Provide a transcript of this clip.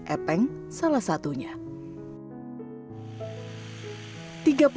epeng salah satunya